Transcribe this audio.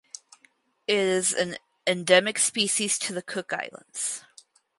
It is an endemic species to the Cook Islands.